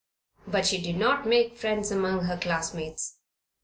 But she did not make friends among her classmates.